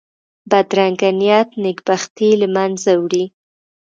بدرنګه نیت نېک بختي له منځه وړي